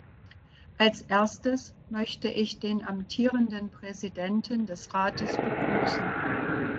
Als Erstes möchte ich den amtierenden Präsidenten des Rates begrüßen.